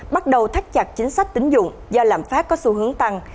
bắt đầu thắt chặt chính sách tính dụng do lạm phát có xu hướng tăng